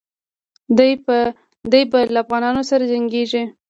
دی به له افغانانو سره جنګیږي.